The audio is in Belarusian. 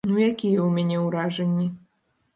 Ну якія ў мяне ўражанні.